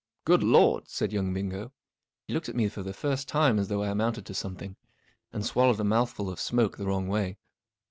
44 Good Lord !" said young Bingo. He looked at me for the first time as though I amounted to something, and swallowed a mouthful of smoke the wrong way.